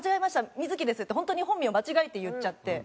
みずきです」って本当に本名を間違えて言っちゃって。